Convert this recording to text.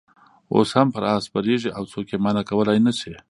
اوس هم پر آس سپرېږي او څوک یې منع کولای نه شي.